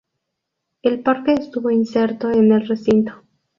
El parque estuvo inserto en el recinto.